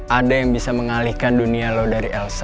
ada yang bisa mengalihkan dunia loh dari elsa